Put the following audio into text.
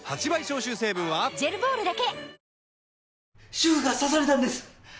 主婦が刺されたんです！